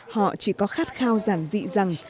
họ chỉ có khát khao giản dị rằng